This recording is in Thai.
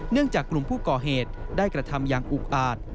จากกลุ่มผู้ก่อเหตุได้กระทำอย่างอุกอาจ